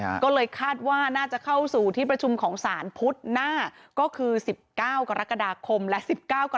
แล้วเลยคาดว่าน่าจะเข้าสู่ที่ประชุมของสารพุธในน่าก็คือ๑๙กรกฎาคมและ๑๙กรกฎาคม